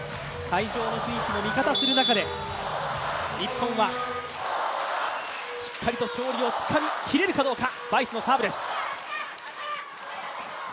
会場の雰囲気も味方する中で日本はしっかりと勝利をつかみきれるかどうか。